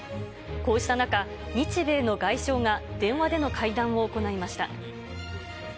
こうした中、日米の外相が電話での会談を行いました。